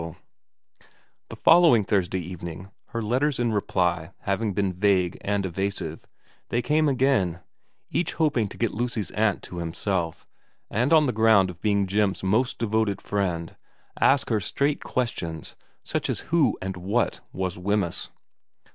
116 VERA a The following Thursday evening, her letters in reply having been vague and evasive, they came again, each hoping to get Lucy's aunt to himself, and on the ground of being Jim's most devoted friend ask her straight questions such as who and what was Wemyss.